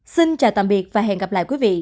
xin chào tạm biệt và hẹn gặp lại quý vị